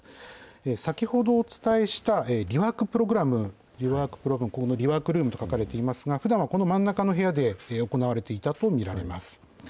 先ほどお伝えした、リワークプログラム、ここのリワークルームと書かれていますが、ふだんはこの真ん中の部屋で行われていたと見られます。